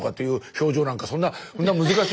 表情なんかそんなそんな難しい。